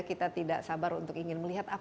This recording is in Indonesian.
kita tidak sabar untuk ingin melihat